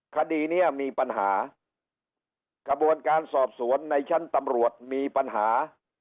คดีนี้มีปัญหากระบวนการสอบสวนในชั้นตำรวจมีปัญหา